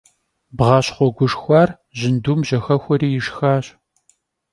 Bğaşxhue guşşxuar, jındum jexexueri yişşxaş.